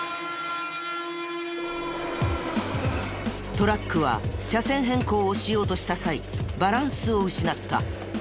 トラックは車線変更をしようとした際バランスを失った。